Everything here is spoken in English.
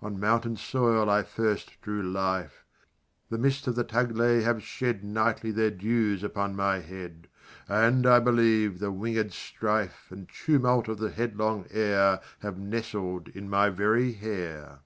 On mountain soil I first drew life: The mists of the Taglay have shed Nightly their dews upon my head, And, I believe, the winged strife And tumult of the headlong air Have nestled in my very hair.